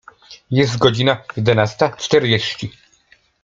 Jest godzina jedenasta czterdzieści.